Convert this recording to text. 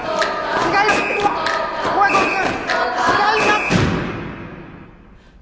違います！